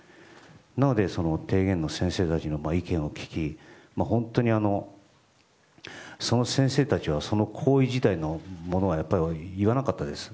なので、提言の先生たちの意見を聞き本当にその先生たちはその行為自体のものは言わなかったです。